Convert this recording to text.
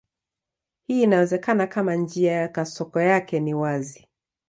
Hii inawezekana kama njia ya kasoko yake ni wazi.